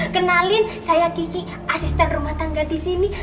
kenalin saya kici asisten rumah tangga di sini